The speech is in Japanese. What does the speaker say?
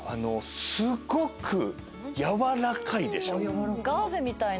すごくやわらかいでしょ？